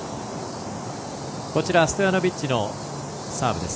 ストヤノビッチのサーブです。